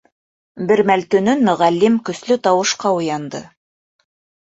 Бер мәл төнөн Мөғәллим көслө тауышҡа уянды.